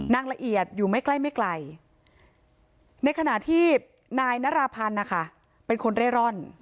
นางละเอียดอยู่ไม่ใกล้ไม่ไกลในขณะที่นายนราพันธ์นะคะเป็นคนเร่ร่อน